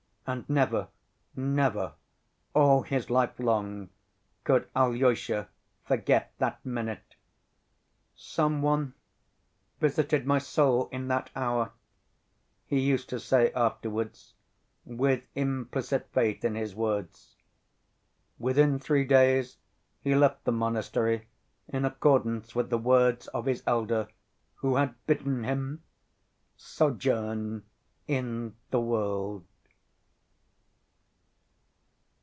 And never, never, all his life long, could Alyosha forget that minute. "Some one visited my soul in that hour," he used to say afterwards, with implicit faith in his words. Within three days he left the monastery in accordance with the words of his elder, who had bidden him "sojourn in the world."